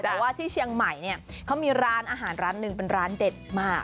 แต่ว่าที่เชียงใหม่เนี่ยเขามีร้านอาหารร้านหนึ่งเป็นร้านเด็ดมาก